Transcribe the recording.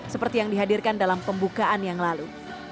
seperti yang dihadirkan dalam pembukaan yang lalu